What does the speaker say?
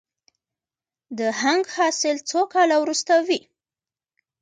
د هنګ حاصل څو کاله وروسته وي؟